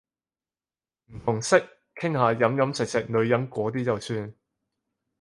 唔同色，傾下飲飲食食女人嗰啲就算